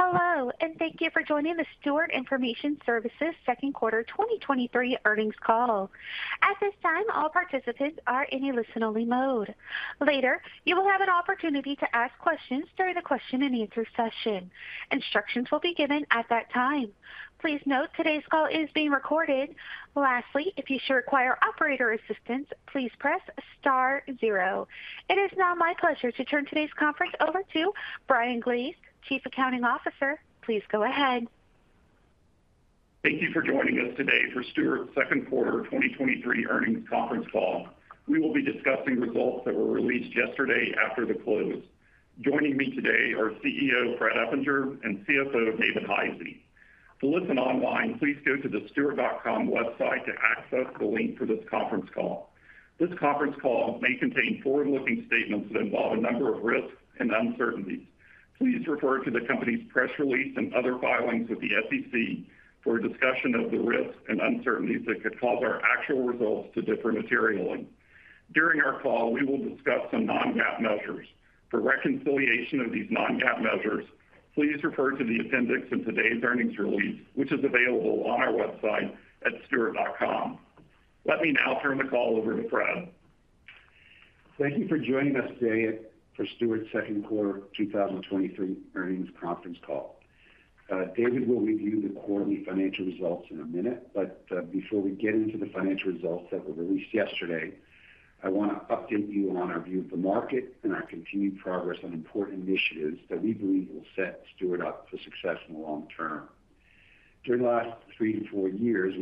Hello, thank you for joining the Stewart Information Services second quarter 2023 earnings call. At this time, all participants are in a listen-only mode. Later, you will have an opportunity to ask questions during the question-and-answer session. Instructions will be given at that time. Please note today's call is being recorded. Lastly, if you should require operator assistance, please press star zero. It is now my pleasure to turn today's conference over to Brian Glaze, Chief Accounting Officer. Please go ahead. Thank you for joining us today for Stewart's 2Q 2023 earnings conference call. We will be discussing results that were released yesterday after the close. Joining me today are CEO, Fred Eppinger, and CFO, David Hisey. To listen online, please go to the stewart.com website to access the link for this conference call. This conference call may contain forward-looking statements that involve a number of risks and uncertainties. Please refer to the company's press release and other filings with the SEC for a discussion of the risks and uncertainties that could cause our actual results to differ materially. During our call, we will discuss some non-GAAP measures. For reconciliation of these non-GAAP measures, please refer to the appendix in today's earnings release, which is available on our website at stewart.com. Let me now turn the call over to Fred. Thank you for joining us today for Stewart's second quarter 2023 earnings conference call. David will review the quarterly financial results in a minute, but before we get into the financial results that were released yesterday, I want to update you on our view of the market and our continued progress on important initiatives that we believe will set Stewart up for success in the long term. During the last three to four years,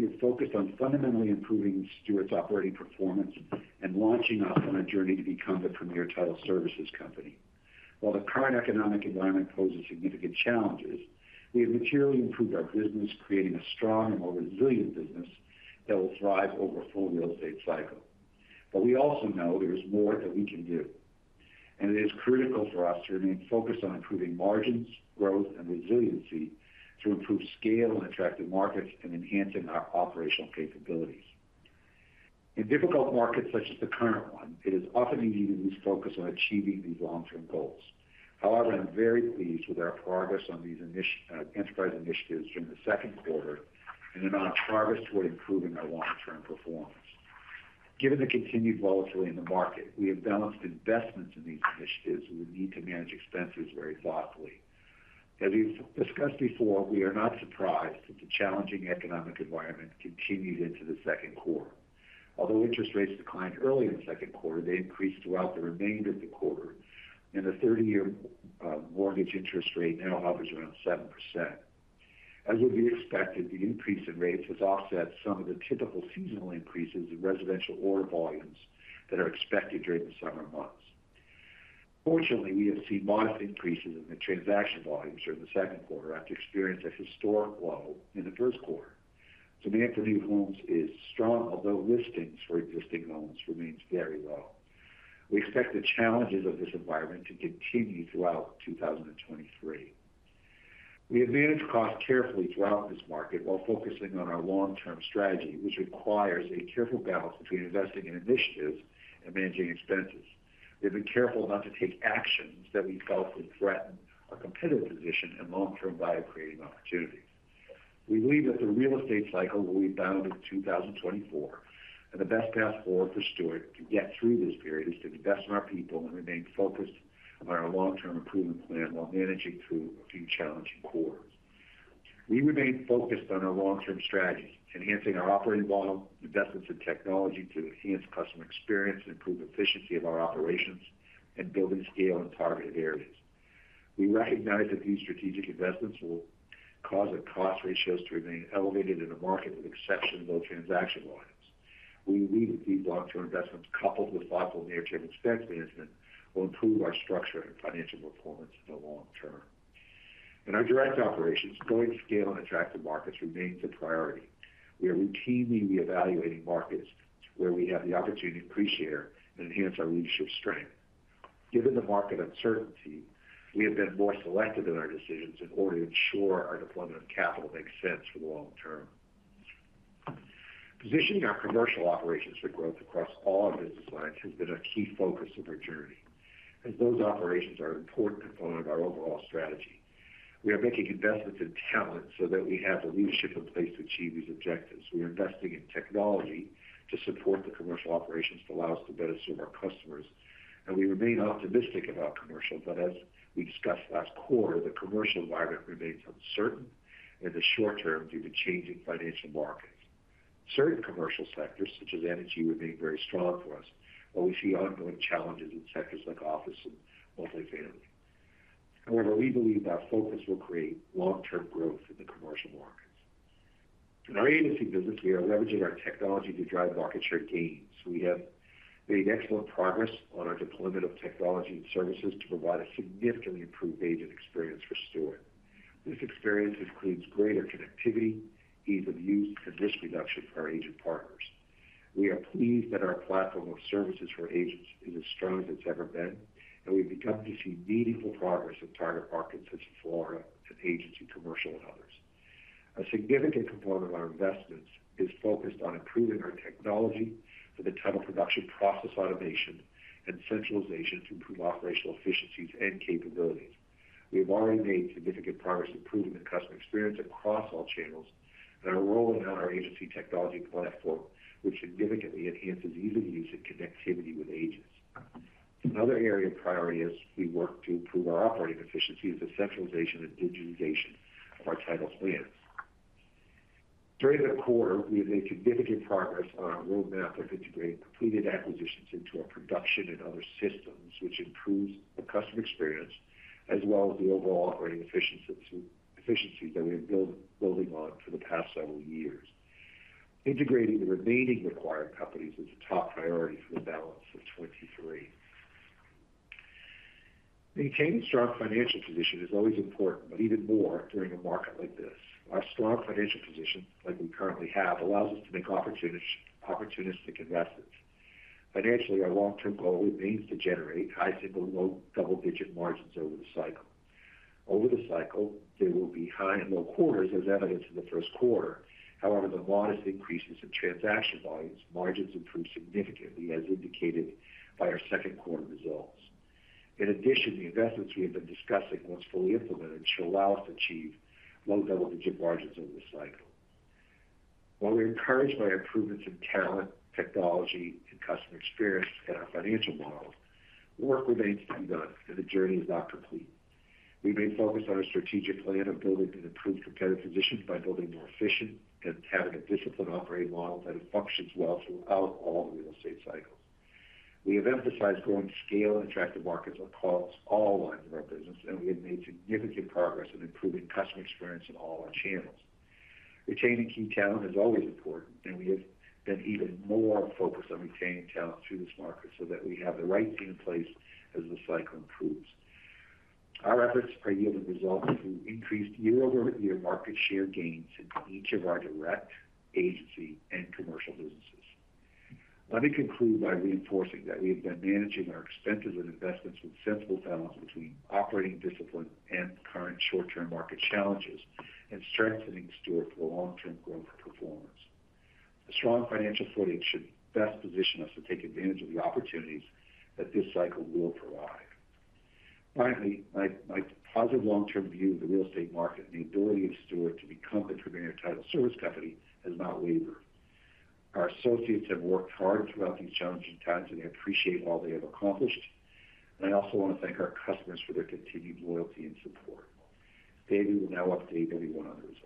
we have focused on fundamentally improving Stewart's operating performance and launching us on a journey to become the premier title services company. While the current economic environment poses significant challenges, we have materially improved our business, creating a strong and more resilient business that will thrive over a full real estate cycle. We also know there is more that we can do, and it is critical for us to remain focused on improving margins, growth, and resiliency to improve scale in attractive markets and enhancing our operational capabilities. In difficult markets such as the current one, it is often easy to lose focus on achieving these long-term goals. However, I'm very pleased with our progress on these enterprise initiatives during the second quarter and in our progress toward improving our long-term performance. Given the continued volatility in the market, we have balanced investments in these initiatives with the need to manage expenses very thoughtfully. As we've discussed before, we are not surprised that the challenging economic environment continued into the second quarter. Although interest rates declined early in the second quarter, they increased throughout the remainder of the quarter, and the 30-year mortgage interest rate now hovers around 7%. As would be expected, the increase in rates has offset some of the typical seasonal increases in residential order volumes that are expected during the summer months. Fortunately, we have seen modest increases in the transaction volumes during the second quarter after experiencing a historic low in the first quarter. Demand for new homes is strong, although listings for existing homes remains very low. We expect the challenges of this environment to continue throughout 2023. We have managed costs carefully throughout this market while focusing on our long-term strategy, which requires a careful balance between investing in initiatives and managing expenses. We've been careful not to take actions that we felt would threaten our competitive position and long-term value-creating opportunities. We believe that the real estate cycle will rebound in 2024. The best path forward for Stewart to get through this period is to invest in our people and remain focused on our long-term improvement plan while managing through a few challenging quarters. We remain focused on our long-term strategy, enhancing our operating model, investments in technology to enhance customer experience and improve efficiency of our operations, and building scale in targeted areas. We recognize that these strategic investments will cause our cost ratios to remain elevated in a market with exceptionally low transaction volumes. We believe that these long-term investments, coupled with thoughtful near-term expense management, will improve our structure and financial performance in the long term. In our direct operations, growing scale in attractive markets remains a priority. We are routinely reevaluating markets where we have the opportunity to increase share and enhance our leadership strength. Given the market uncertainty, we have been more selective in our decisions in order to ensure our deployment of capital makes sense for the long term. Positioning our commercial operations for growth across all our business lines has been a key focus of our journey, as those operations are important to follow our overall strategy. We are making investments in talent so that we have the leadership in place to achieve these objectives. We are investing in technology to support the commercial operations to allow us to better serve our customers, and we remain optimistic about commercial. As we discussed last quarter, the commercial environment remains uncertain in the short term due to changing financial markets. Certain commercial sectors, such as energy, remain very strong for us, but we see ongoing challenges in sectors like office and multifamily. However, we believe our focus will create long-term growth in the commercial markets. In our agency business, we are leveraging our technology to drive market share gains. We have made excellent progress on our deployment of technology and services to provide a significantly improved agent experience for Stewart. This experience includes greater connectivity, ease of use, and risk reduction for our agent partners. We are pleased that our platform of services for agents is as strong as it's ever been, and we've begun to see meaningful progress in target markets such as Florida and agency, commercial, and others. A significant component of our investments is focused on improving our technology for the title production process, automation, and centralization to improve operational efficiencies and capabilities. We have already made significant progress improving the customer experience across all channels, and are rolling out our agency technology platform, which significantly enhances ease of use and connectivity with agents. Another area of priority as we work to improve our operating efficiency is the centralization and digitization of our title plans. During the quarter, we have made significant progress on our roadmap of integrating completed acquisitions into our production and other systems, which improves the customer experience as well as the overall operating efficiency that we have building on for the past several years. Integrating the remaining acquired companies is a top priority for the balance of 2023. Maintaining strong financial position is always important, but even more during a market like this. Our strong financial position, like we currently have, allows us to make opportunistic investments. Financially, our long-term goal remains to generate high single or low double-digit margins over the cycle. Over the cycle, there will be high and low quarters, as evidenced in the first quarter. However, the modest increases in transaction volumes, margins improved significantly, as indicated by our second quarter results. In addition, the investments we have been discussing, once fully implemented, should allow us to achieve low double-digit margins over the cycle. While we are encouraged by improvements in talent, technology, and customer experience in our financial model, work remains to be done and the journey is not complete. We remain focused on our strategic plan of building an improved competitive position by building more efficient and having a disciplined operating model that functions well throughout all the real estate cycles. We have emphasized growing scale and attractive markets across all lines of our business, and we have made significant progress in improving customer experience in all our channels. Retaining key talent is always important, and we have been even more focused on retaining talent through this market so that we have the right team in place as the cycle improves. Our efforts are yielding results through increased year-over-year market share gains in each of our direct agency and commercial businesses. Let me conclude by reinforcing that we have been managing our expenses and investments with sensible balance between operating discipline and current short-term market challenges, and strengthening Stewart for long-term growth and performance. A strong financial footing should best position us to take advantage of the opportunities that this cycle will provide. Finally, my positive long-term view of the real estate market and the ability of Stewart to become a premier title service company has not wavered. Our associates have worked hard throughout these challenging times, and I appreciate all they have accomplished. I also want to thank our customers for their continued loyalty and support. David will now update everyone on the results.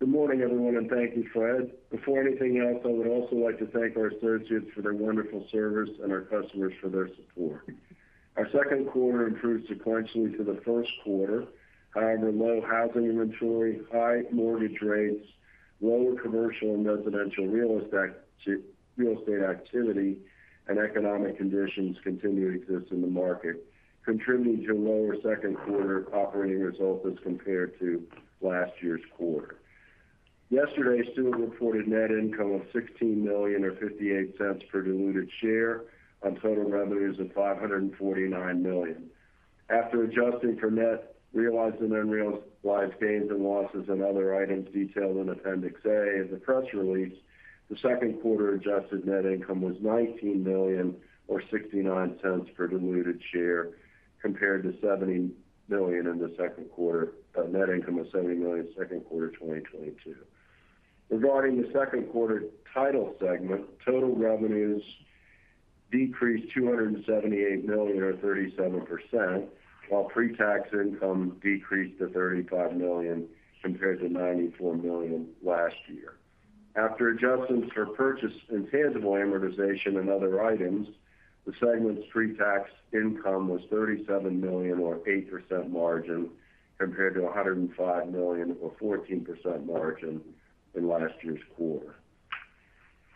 Good morning, everyone, and thank you, Fred. Before anything else, I would also like to thank our associates for their wonderful service and our customers for their support. Our second quarter improved sequentially to the first quarter. However, low housing inventory, high mortgage rates, lower commercial and residential real estate activity, and economic conditions continue to exist in the market, contributing to lower second quarter operating results as compared to last year's quarter. Yesterday, Stewart reported net income of $16 million, or $0.58 per diluted share on total revenues of $549 million. After adjusting for net, realized and unrealized gains and losses and other items detailed in Appendix A of the press release, the second quarter adjusted net income was $19 million or $0.69 per diluted share, compared to net income of $70 million second quarter 2022. Regarding the second quarter title segment, total revenues decreased $278 million or 37%, while pre-tax income decreased to $35 million compared to $94 million last year. After adjustments for purchase intangible amortization and other items, the segment's pre-tax income was $37 million or 8% margin, compared to $105 million or 14% margin in last year's quarter.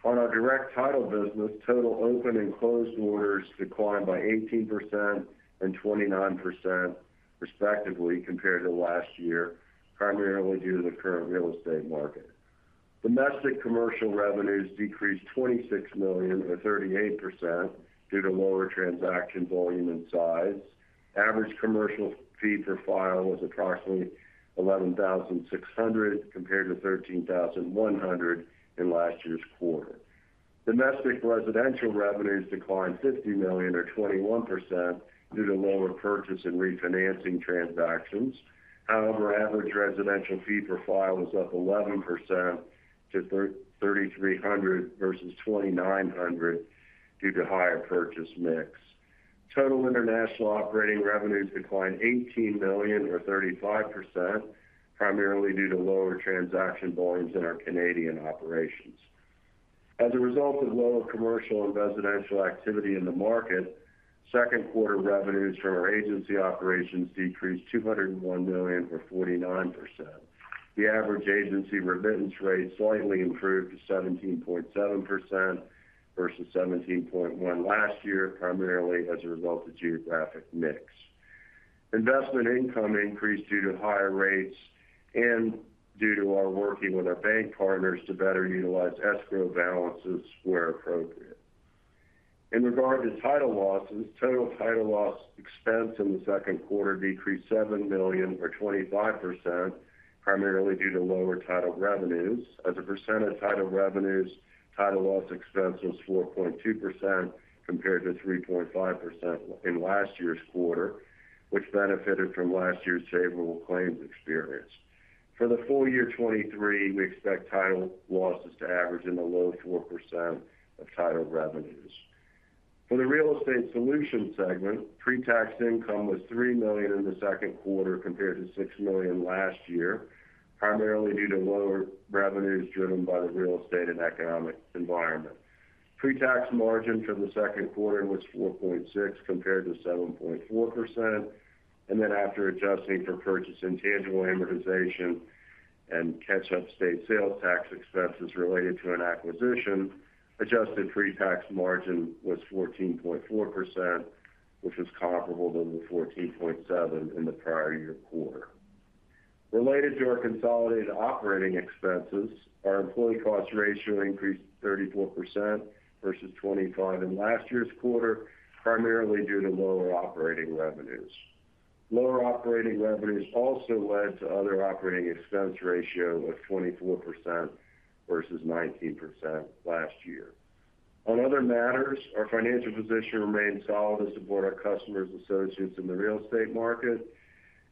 On our direct title business, total open and closed orders declined by 18% and 29% respectively compared to last year, primarily due to the current real estate market. Domestic commercial revenues decreased $26 million or 38% due to lower transaction volume and size. Average commercial fee per file was approximately 11,600 compared to 13,100 in last year's quarter. Domestic residential revenues declined $50 million or 21% due to lower purchase and refinancing transactions. However, average residential fee per file was up 11% to 3,300 versus 2,900 due to higher purchase mix. Total international operating revenues declined $18 million or 35%, primarily due to lower transaction volumes in our Canadian operations. As a result of lower commercial and residential activity in the market, second quarter revenues from our agency operations decreased $201 million or 49%. The average agency remittance rate slightly improved to 17.7% versus 17.1% last year, primarily as a result of geographic mix. Investment income increased due to higher rates and due to our working with our bank partners to better utilize escrow balances where appropriate. In regard to title losses, total title loss expense in the second quarter decreased $7 million or 25%, primarily due to lower title revenues. As a percent of title revenues, title loss expense was 4.2%, compared to 3.5% in last year's quarter, which benefited from last year's favorable claims experience. For the full year 2023, we expect title losses to average in the low 4% of title revenues. For the Real Estate Solutions segment, pretax income was $3 million in the second quarter, compared to $6 million last year, primarily due to lower revenues driven by the real estate and economic environment. Pretax margin for the second quarter was 4.6, compared to 7.4%, and then after adjusting for purchase intangible amortization and catch-up state sales tax expenses related to an acquisition, adjusted pretax margin was 14.4%, which is comparable to the 14.7% in the prior year quarter. Related to our consolidated operating expenses, our employee cost ratio increased 34% versus 25% in last year's quarter, primarily due to lower operating revenues. Lower operating revenues also led to other operating expense ratio of 24% versus 19% last year. On other matters, our financial position remains solid to support our customers and associates in the real estate market.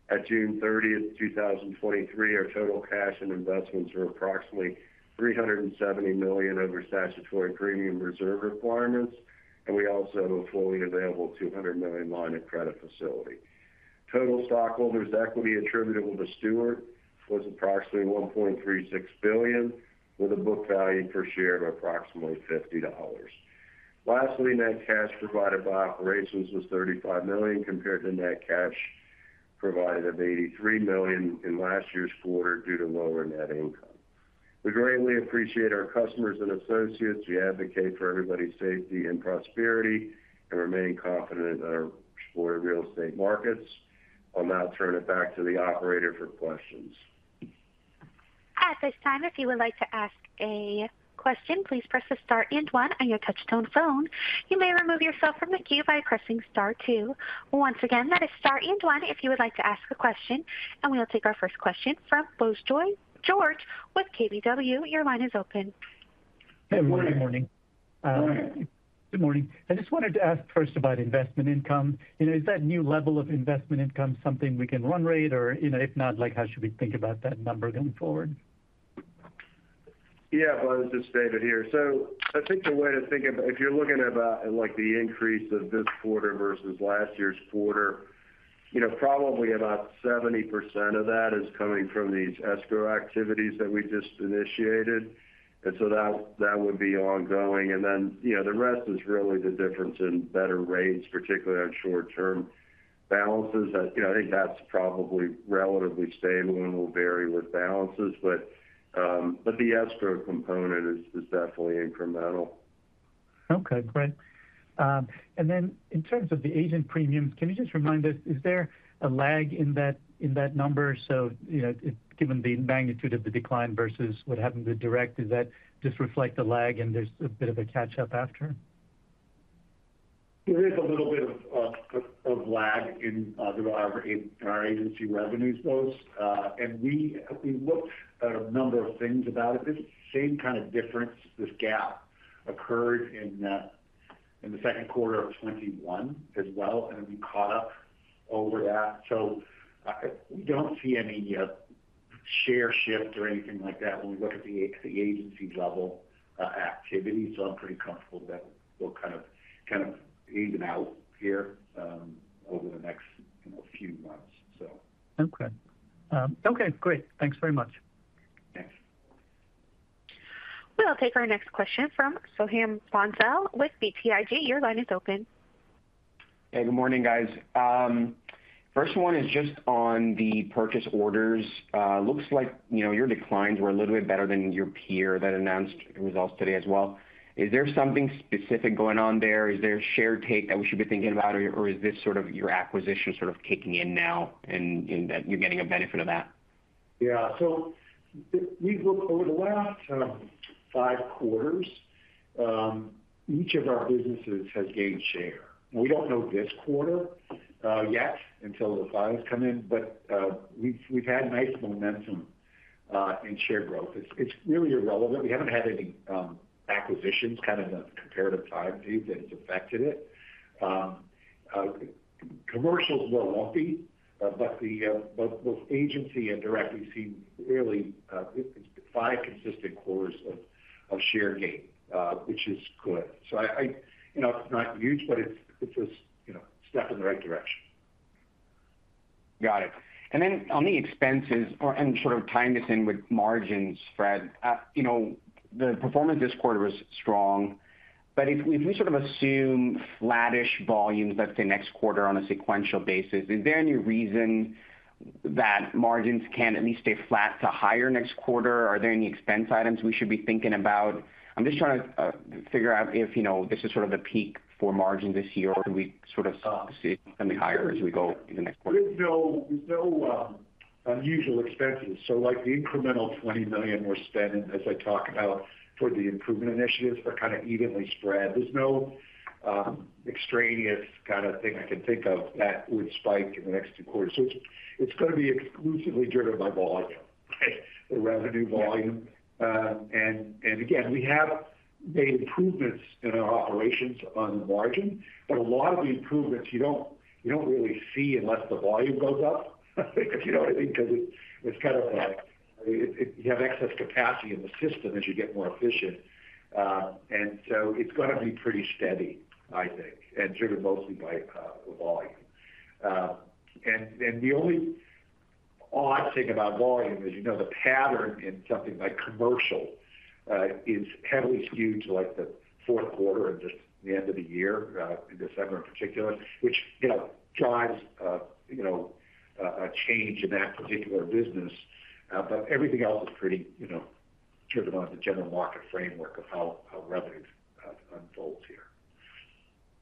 At 30 June 2023, our total cash and investments were approximately $370 million over statutory premium reserve requirements. We also have a fully available $200 million line of credit facility. Total stockholders' equity attributable to Stewart was approximately $1.36 billion, with a book value per share of approximately $50. Lastly, net cash provided by operations was $35 million, compared to net cash provided of $83 million in last year's quarter due to lower net income. We greatly appreciate our customers and associates. We advocate for everybody's safety and prosperity and remain confident in our real estate markets. I'll now turn it back to the operator for questions. At this time, if you would like to ask a question, please press the star and one on your touchtone phone. You may remove yourself from the queue by pressing star two. Once again, that is star and one if you would like to ask a question, we will take our first question from Bose George with KBW. Your line is open. Hey, good morning. Good morning. Good morning. I just wanted to ask first about investment income. You know, is that new level of investment income something we can run rate? You know, if not, like, how should we think about that number going forward? Yeah, Bose, this is David here. I think the way to think of it, if you're looking about, like, the increase of this quarter versus last year's quarter, you know, probably about 70% of that is coming from these escrow activities that we just initiated, and so that would be ongoing. Then, you know, the rest is really the difference in better rates, particularly on short-term balances. You know, I think that's probably relatively stable and will vary with balances, but the escrow component is definitely incremental. Okay, great. In terms of the agent premiums, can you just remind us, is there a lag in that, in that number? You know, given the magnitude of the decline versus what happened with direct, does that just reflect a lag and there's a bit of a catch-up after? There is a little bit of lag in our agency revenues, Bose. We looked at a number of things about it. This same kind of difference, this gap occurred in the second quarter of 2021 as well. We caught up over that. We don't see any share shift or anything like that when we look at the agency-level activity. I'm pretty comfortable that we'll kind of even out here over the next, you know, few months. Okay. okay, great. Thanks very much. Thanks. We'll take our next question from Soham Bhonsle with BTIG. Your line is open. Hey, good morning, guys. First one is just on the purchase orders. Looks like, you know, your declines were a little bit better than your peer that announced results today as well. Is there something specific going on there? Is there a share take that we should be thinking about, or is this sort of your acquisition sort of kicking in now and that you're getting a benefit of that? Yeah. If we look over the last five quarters, each of our businesses has gained share. We don't know this quarter yet until the filings come in, but we've had nice momentum in share growth. It's really irrelevant. We haven't had any acquisitions kind of in a comparative time frame that has affected it. Commercial is more lumpy, but both agency and directly seem really five consistent quarters of share gain, which is good. I you know, it's not huge, but it's a, you know, step in the right direction. Got it. On the expenses and sort of tying this in with margins, Fred, you know, the performance this quarter was strong, but if we sort of assume flattish volumes, let's say, next quarter on a sequential basis, is there any reason that margins can at least stay flat to higher next quarter? Are there any expense items we should be thinking about? I'm just trying to figure out if, you know, this is sort of a peak for margin this year, or do we sort of see something higher as we go in the next quarter? There's no unusual expenses. The incremental $20 million we're spending, as I talk about for the improvement initiatives, are kinda evenly spread. There's no extraneous kinda thing I can think of that would spike in the next two quarters. It's gonna be exclusively driven by volume, the revenue volume. Again, we have made improvements in our operations on the margin, but a lot of the improvements you don't, you don't really see unless the volume goes up. If you know what I mean, because it's kind of like, if you have excess capacity in the system as you get more efficient. It's gonna be pretty steady, I think, and driven mostly by the volume. The only odd thing about volume is, you know, the pattern in something like commercial, is heavily skewed to, like, the fourth quarter and just the end of the year, in December in particular, which, you know, drives, you know, a change in that particular business. Everything else is pretty, you know, driven by the general market framework of how revenues unfold here.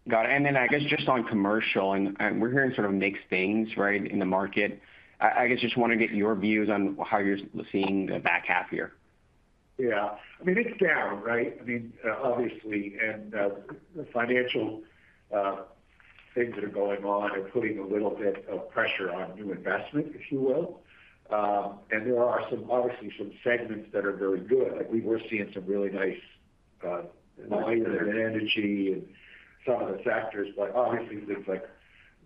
Got it. Then I guess just on commercial, and we're hearing sort of mixed things, right, in the market. I guess, just wanna get your views on how you're seeing the back half year? Yeah. I mean, it's down, right? I mean, obviously, and the financial things that are going on are putting a little bit of pressure on new investment, if you will. There are some, obviously some segments that are very good. Like, we were seeing some really nice volume in energy and some of the factors, but obviously, things like,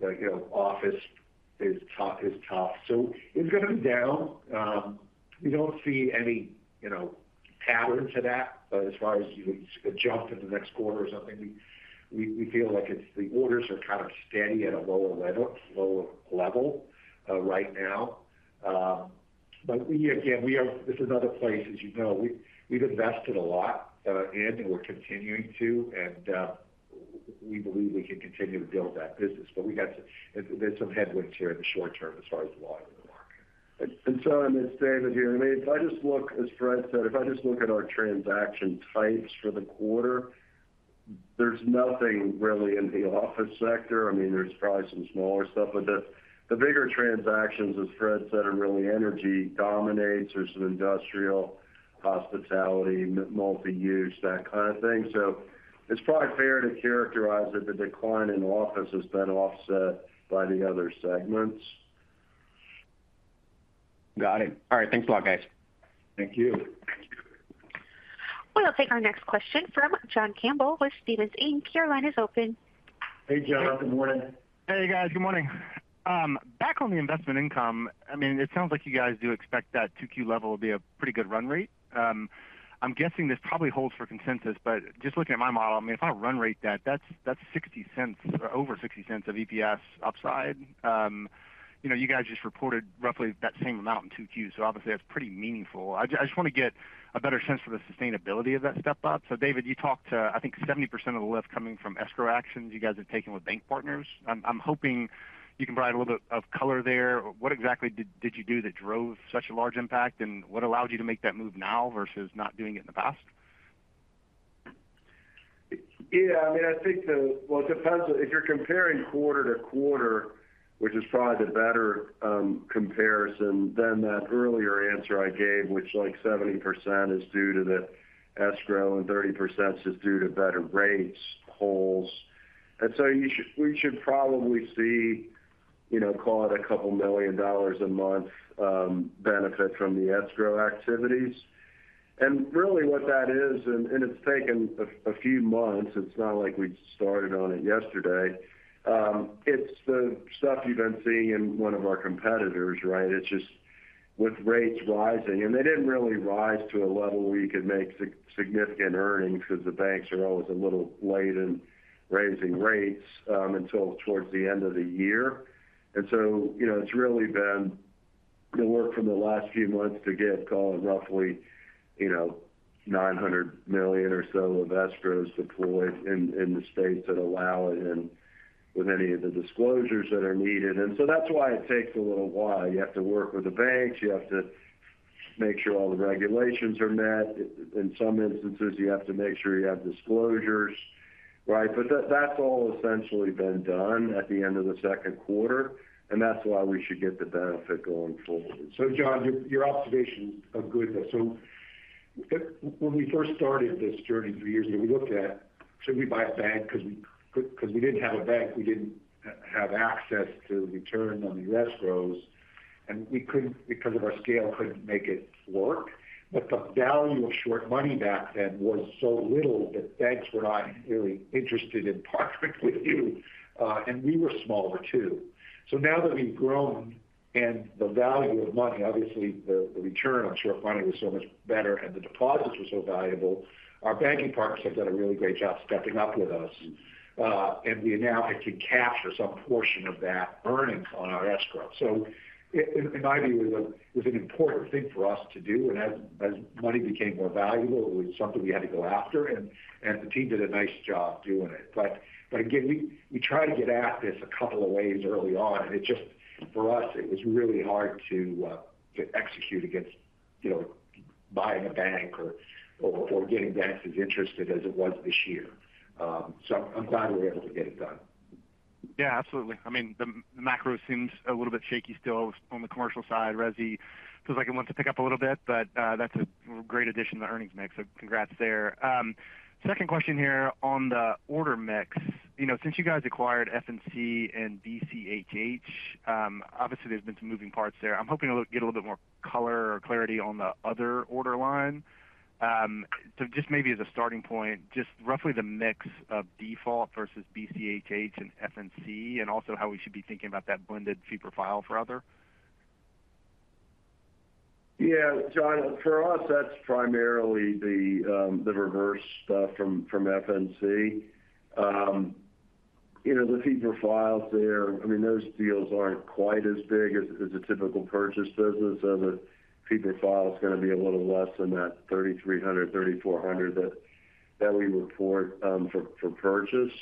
you know, office is tough. It's gonna be down. We don't see any, you know, pattern to that. As far as a jump in the next quarter or something, we feel like it's the orders are kind of steady at a lower level right now. We again, this is another place, as you know, we, we've invested a lot in, and we're continuing to, and we believe we can continue to build that business, but there's some headwinds here in the short term as far as volume in the market. I'm gonna stay with you. I mean, if I just look, as Fred said, if I just look at our transaction types for the quarter, there's nothing really in the office sector. I mean, there's probably some smaller stuff, but the bigger transactions, as Fred said, are really energy dominates. There's some industrial, hospitality, multi-use, that kind of thing. It's probably fair to characterize that the decline in office has been offset by the other segments. Got it. All right. Thanks a lot, guys. Thank you. We'll take our next question from John Campbell with Stephens Inc. Your line is open. Hey, John. Good morning. Hey, guys. Good morning. back on the investment income, I mean, it sounds like you guys do expect that 2Q level will be a pretty good run rate. I'm guessing this probably holds for consensus, but just looking at my model, I mean, if I run rate that, that's $0.60, over $0.60 of EPS upside. you know, you guys just reported roughly that same amount in 2Qs. Obviously that's pretty meaningful. I just wanna get a better sense for the sustainability of that step up. David, you talked to, I think, 70% of the lift coming from escrow actions you guys have taken with bank partners. I'm hoping you can provide a little bit of color there. What exactly did you do that drove such a large impact? What allowed you to make that move now versus not doing it in the past? Yeah, I mean, I think. Well, it depends. If you're comparing quarter to quarter, which is probably the better comparison than that earlier answer I gave, which, like, 70% is due to the escrow and 30% is due to better rates, holes. We should probably see, you know, call it $2 million a month benefit from the escrow activities. Really what that is, and it's taken a few months. It's not like we started on it yesterday. It's the stuff you've been seeing in one of our competitors, right? It's just with rates rising, and they didn't really rise to a level we could make significant earnings because the banks are always a little late in raising rates until towards the end of the year. you know, it's really been the work from the last few months to get, call it, roughly, you know, $900 million or so of escrows deployed in the states that allow it and with any of the disclosures that are needed. That's why it takes a little while. You have to work with the banks, you have to make sure all the regulations are met. In some instances, you have to make sure you have disclosures, right? But that's all essentially been done at the end of the second quarter, and that's why we should get the benefit going forward. John, your observation are good, though. When we first started this journey three years ago, we looked at, should we buy a bank? Because we didn't have a bank, we didn't have access to the return on the escrows, and we couldn't, because of our scale, couldn't make it work. The value of short money back then was so little that banks were not really interested in partnering with you, and we were smaller, too. Now that we've grown and the value of money, obviously, the return on short money was so much better and the deposits were so valuable, our banking partners have done a really great job stepping up with us, and we now can capture some portion of that earnings on our escrow. In my view, it was an important thing for us to do, and as money became more valuable, it was something we had to go after, and the team did a nice job doing it. Again, we tried to get at this a couple of ways early on, and it just, for us, it was really hard to execute against, you know buying a bank or getting banks as interested as it was this year. I'm glad we were able to get it done. Yeah, absolutely. I mean, the macro seems a little bit shaky still on the commercial side. Resi feels like it wants to pick up a little bit, but that's a great addition to the earnings mix, so congrats there. Second question here on the order mix. You know, since you guys acquired FNC and BCHH, obviously, there's been some moving parts there. I'm hoping to get a little bit more color or clarity on the other order line. Just maybe as a starting point, just roughly the mix of default versus BCHH and FNC, and also how we should be thinking about that blended fee profile for other? John, for us, that's primarily the reverse stuff from FNC. You know, the fee per file there, I mean, those deals aren't quite as big as a typical purchase business. The fee per file is gonna be a little less than that $3,300, $3,400 that we report for purchase.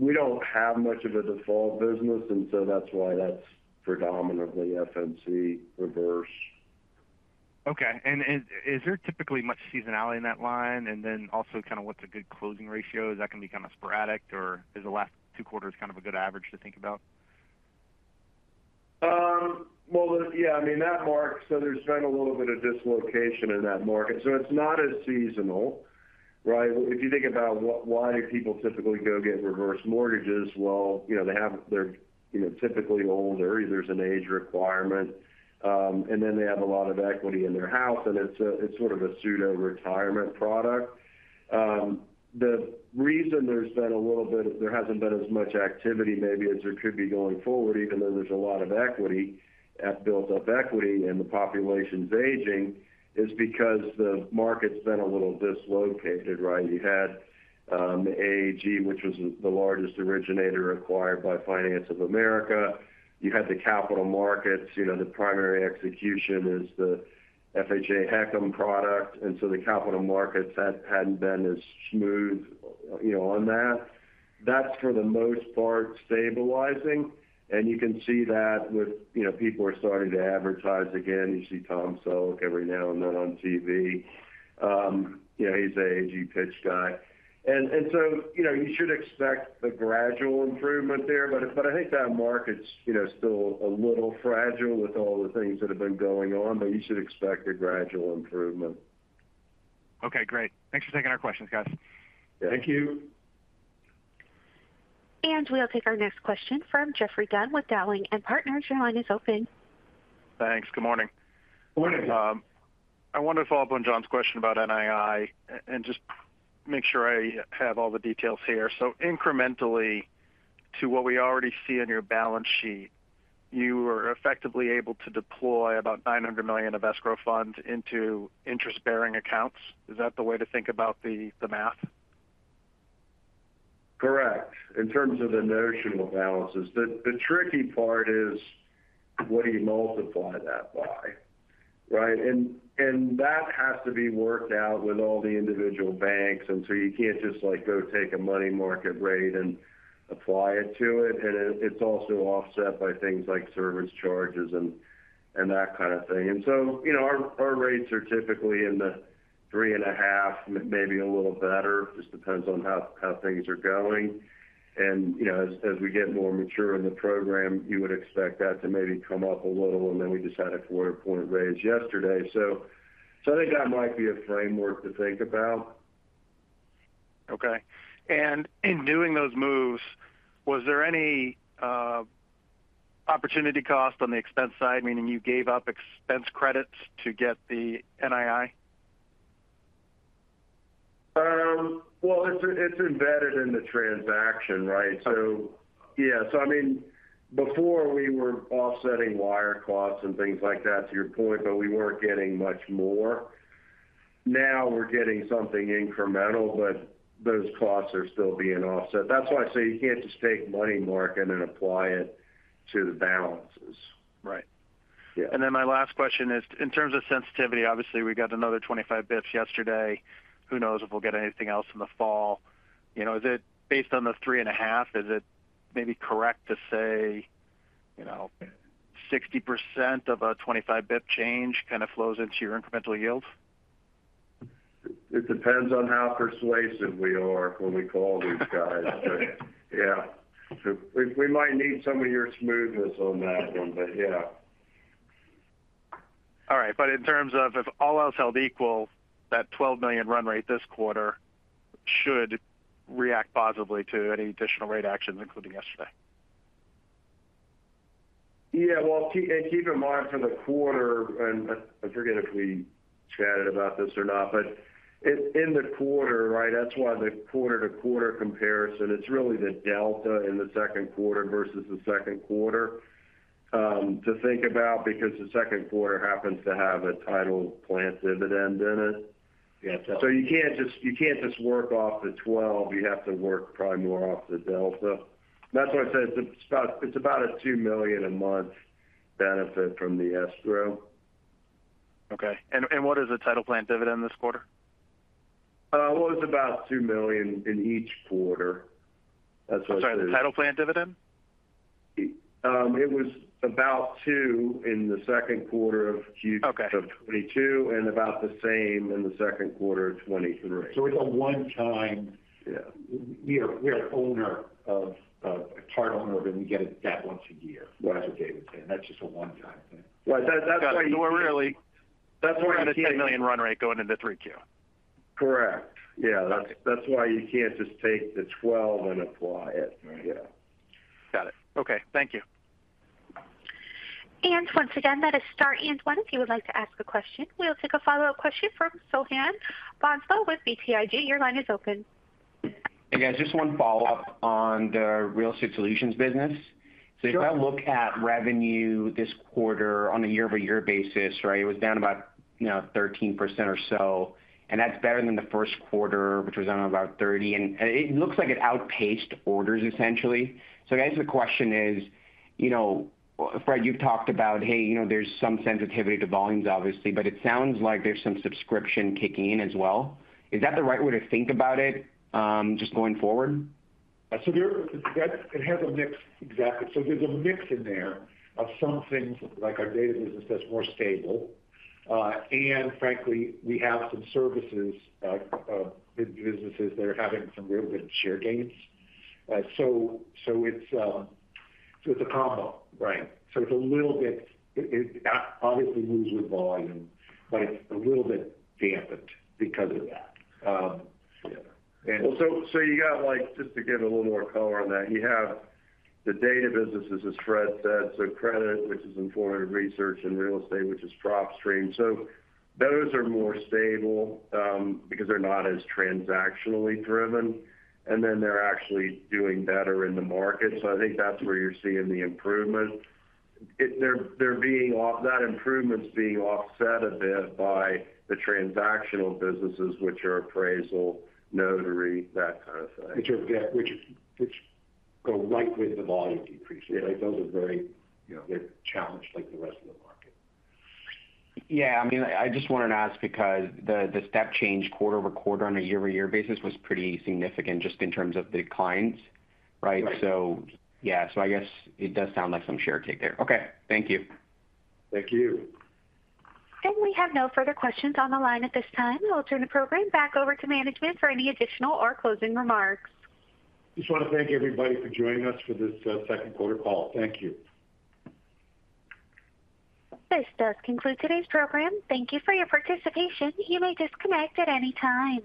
We don't have much of a default business. That's why that's predominantly FNC reverse. Okay. Is there typically much seasonality in that line? Also, kinda, what's a good closing ratio? Is that can be kinda sporadic, or is the last two quarters kind of a good average to think about? Well, yeah, I mean, that mark, there's been a little bit of dislocation in that market, it's not as seasonal, right? If you think about why people typically go get reverse mortgages, well, you know, they're, you know, typically older, there's an age requirement, and then they have a lot of equity in their house, and it's sort of a pseudo-retirement product. The reason there's been a little bit, there hasn't been as much activity maybe as there could be going forward, even though there's a lot of equity, built up equity, and the population is aging, is because the market's been a little dislocated, right? You had, AAG, which was the largest originator acquired by Finance of America. You had the capital markets, you know, the primary execution is the FHA HECM product, and so the capital markets, that hadn't been as smooth, you know, on that. That's, for the most part, stabilizing, and you can see that with, you know, people are starting to advertise again. You see Tom Selleck every now and then on TV. You know, he's a AG pitch guy. You know, you should expect a gradual improvement there, but I think that market's, you know, still a little fragile with all the things that have been going on, but you should expect a gradual improvement. Okay, great. Thanks for taking our questions, guys. Thank you. We'll take our next question from Geoffrey Dunn with Dowling & Partners. Your line is open. Thanks. Good morning. Good morning. I want to follow up on John's question about NII and just make sure I have all the details here. Incrementally to what we already see on your balance sheet, you were effectively able to deploy about $900 million of escrow funds into interest-bearing accounts. Is that the way to think about the, the math? Correct. In terms of the notional balances. The tricky part is, what do you multiply that by, right? That has to be worked out with all the individual banks, and so you can't just, like, go take a money market rate and apply it to it. It's also offset by things like service charges and that kind of thing. You know, our rates are typically in the 3.5%, maybe a little better, just depends on how things are going. You know, as we get more mature in the program, you would expect that to maybe come up a little, and then we just had a 0.25 point raise yesterday. I think that might be a framework to think about. Okay. In doing those moves, was there any opportunity cost on the expense side, meaning you gave up expense credits to get the NII? Well, it's, it's embedded in the transaction, right? Yeah. I mean, before we were offsetting wire costs and things like that, to your point, but we weren't getting much more. Now we're getting something incremental, but those costs are still being offset. That's why I say you can't just take money market and then apply it to the balances. Right. Yeah. My last question is, in terms of sensitivity, obviously, we got another 25 bits yesterday. Who knows if we'll get anything else in the fall? You know, is it based on the 3.5, is it maybe correct to say, you know, 60% of a 25 bip change kinda flows into your incremental yield? It depends on how persuasive we are when we call these guys. Yeah. We might need some of your smoothness on that one, yeah. All right. In terms of if all else held equal, that $12 million run rate this quarter should react positively to any additional rate actions, including yesterday? Yeah, well, keep in mind for the quarter, and I forget if we chatted about this or not, but in the quarter, right, that's why the quarter-to-quarter comparison, it's really the delta in the second quarter versus the second quarter, to think about, because the second quarter happens to have a title plant dividend in it. You can't just, you can't just work off the 12, you have to work probably more off the delta. That's why I said it's about a $2 million a month benefit from the escrow. Okay. What is the title plant dividend this quarter? Well, it's about $2 million in each quarter. Sorry, the title plant dividend? It was about 2 in the second quarter of 2022, and about the same in the second quarter of 2023. It's a one-time, we are an owner of a part owner of, we get it that once a year. As David said, that's just a one-time thing. Well, That's why $10 million run rate going into 3Q. Correct. Yeah, that's why you can't just take the 12 and apply it. Yeah. Got it. Okay, thank you. Once again, that is star 1, if you would like to ask a question. We'll take a follow-up question from Soham Bhonsle with BTIG. Your line is open. Hey, guys, just one follow-up on the Real Estate Solutions business. If I look at revenue this quarter on a year-over-year basis, right, it was down about, you know, 13% or so, and that's better than the first quarter, which was down about 30%. It looks like it outpaced orders, essentially. I guess the question is, you know, Fred, you've talked about, hey, you know, there's some sensitivity to volumes, obviously, but it sounds like there's some subscription kicking in as well. Is that the right way to think about it, just going forward? There, that it has a mix. Exactly. There's a mix in there of some things like our data business that's more stable. Frankly, we have some services businesses that are having some real good share gains. It's a combo. It's a little bit, it obviously moves with volume, but it's a little bit dampened because of that. You got Just to give a little more color on that, you have the data businesses, as Fred said, credit, which is Informative Research and real estate, which is DropStream. Those are more stable because they're not as transactionally driven, they're actually doing better in the market. I think that's where you're seeing the improvement. That improvement's being offset a bit by the transactional businesses, which are appraisal, notary, that kind of thing. Which go right with the volume decrease. Those are very, you know, they're challenged like the rest of the market. Yeah, I mean, I just wanted to ask because the, the step change quarter-over-quarter on a year-over-year basis was pretty significant just in terms of declines, right? Right. Yeah. I guess it does sound like some share take there. Okay, thank you. Thank you. We have no further questions on the line at this time. I'll turn the program back over to management for any additional or closing remarks. Just want to thank everybody for joining us for this second quarter call. Thank you. This does conclude today's program. Thank you for your participation. You may disconnect at any time.